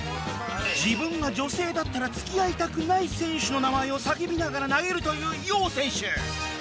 自分が女性だったら付き合いたくない選手の名前を叫びながら投げるという ＹＯＨ 選手